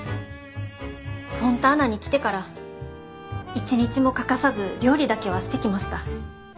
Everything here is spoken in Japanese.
フォンターナに来てから一日も欠かさず料理だけはしてきました。